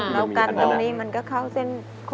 แล้วกันตรงนี้มันก็เข้าเส้น